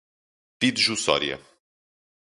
fidejussória